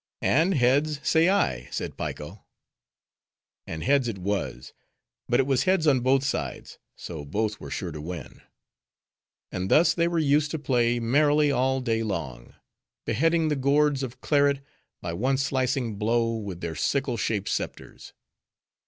"And heads say I," said Piko. And heads it was. But it was heads on both sides, so both were sure to win. And thus they were used to play merrily all day long; beheading the gourds of claret by one slicing blow with their sickle shaped scepters.